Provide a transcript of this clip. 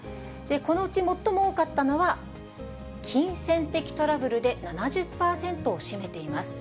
このうち最も多かったのは金銭的トラブルで７０％を占めています。